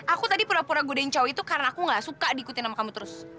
aku tadi pura pura godencau itu karena aku gak suka diikutin sama kamu terus